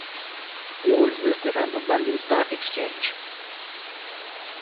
It was listed on the London Stock Exchange.